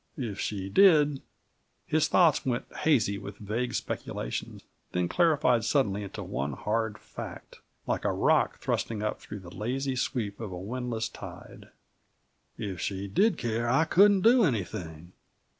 If she did " His thoughts went hazy with vague speculation, then clarified suddenly into one hard fact, like a rock thrusting up through the lazy sweep of a windless tide. "If she did care, I couldn't do anything.